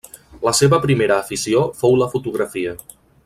La seva primera afició fou la fotografia.